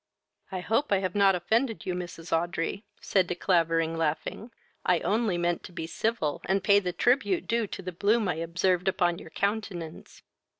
"I hope I have not offended you, Mrs. Audrey, (said De Clavering, laughing,) I only meant to be civil, and pay the tribute due to the bloom I observed upon your countenance."